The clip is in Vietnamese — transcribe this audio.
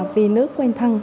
vì nước quen thân